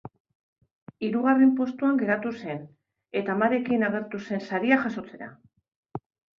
Hirugarren postuan geratu zen eta amarekin agertu zen saria jasotzera.